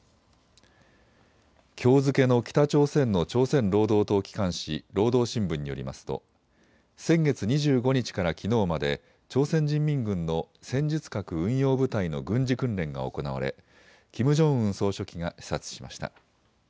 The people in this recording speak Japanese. きょう付けの北朝鮮の朝鮮労働党機関紙、労働新聞によりますと先月２５日からきのうまで朝鮮人民軍の戦術核運用部隊の軍事訓練が行われキム・ジョンウン総書記が視察しました。